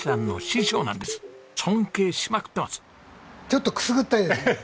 ちょっとくすぐったいですね。